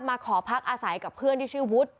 ขอพักอาศัยกับเพื่อนที่ชื่อวุฒิ